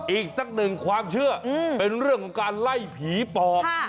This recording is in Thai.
อีกสักหนึ่งความเชื่อเป็นเรื่องของการไล่ผีปอบ